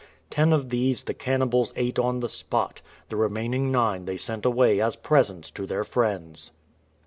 Ten of these the cannibals ate on the spot; the remaining nine they sent away as presents to their friends.